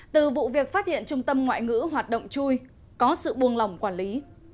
từ vụ việc phát hiện trung tâm ngoại ngữ hoạt động chui có sự buông lỏng quản lý